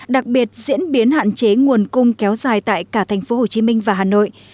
đặc biệt diễn biến hạn chế nguồn cung kéo dài tại cả thành phố hồ chí minh và hà nội